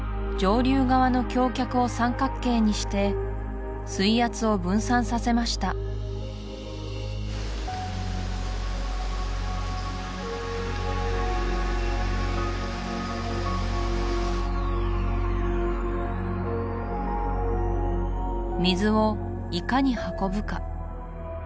上流側の橋脚を三角形にして水圧を分散させました水をいかに運ぶか